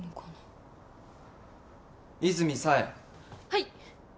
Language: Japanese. はい。